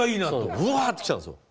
うわっと来たんですよ